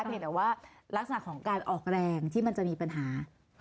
แต่ว่ารักษณะของการออกแรงที่มันจะมีปัญหา